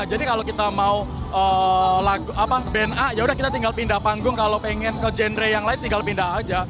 jadi kalo kita mau band a yaudah kita tinggal pindah panggung kalo pengen ke genre yang lain tinggal pindah aja